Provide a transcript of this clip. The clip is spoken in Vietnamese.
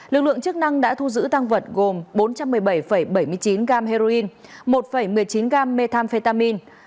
lực lượng chức năng đã thu giữ tăng vật gồm bốn trăm một mươi bảy bảy mươi chín gam heroin một một mươi chín gam methamphetamin